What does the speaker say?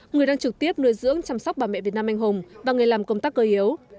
người đang trực tiếp nuôi dưỡng chăm sóc bà mẹ việt nam anh hùng và người làm công tác cơ yếu